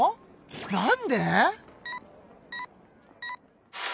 なんで？